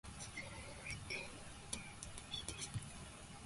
Still, if he did, he did.